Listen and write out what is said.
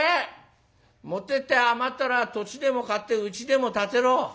持ってって余ったら土地でも買ってうちでも建てろ」。